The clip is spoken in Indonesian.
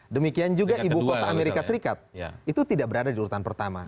demikian juga ibu kota amerika serikat itu tidak berada di urutan pertama